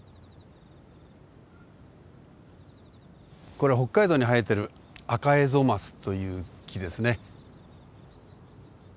これ北海道に生えてるアカエゾマツという木ですね。